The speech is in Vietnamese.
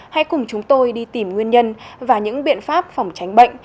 hãy cùng chúng tôi đi tìm nguyên nhân và những biện pháp phòng tránh bệnh